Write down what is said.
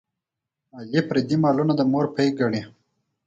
غل پردي مالونه د مور پۍ ګڼي.